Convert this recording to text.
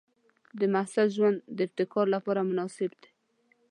د محصل ژوند د ابتکار لپاره مناسب دی.